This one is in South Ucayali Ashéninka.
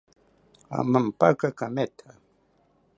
Amampaka kametha